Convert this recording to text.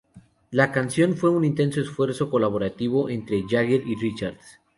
La canción fue un intenso esfuerzo colaborativo entre Jagger y Richards.